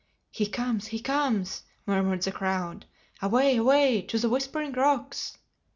"He comes!—He comes!" murmured the crowd. "Away! Away!—To the Whispering Rocks!"